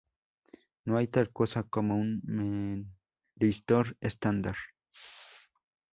No hay tal cosa como un memristor estándar.